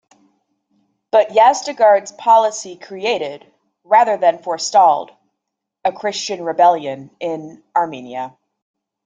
But Yazdegerd's policy created, rather than forestalled, a Christian rebellion in Armenia.